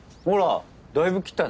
だいぶ切ったね。